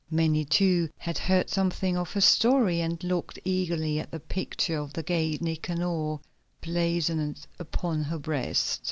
Many, too, had heard something of her story, and looked eagerly at the picture of the gate Nicanor blazoned upon her breast.